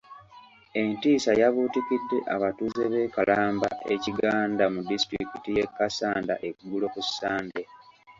Entiisa yabuutikidde abatuuze b'e Kalamba e Kiganda mu disitulikiti y'e Kassanda eggulo ku Ssande.